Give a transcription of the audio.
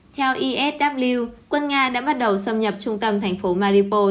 theo esw quân nga đã bắt đầu xâm nhập trung tâm thành phố maripos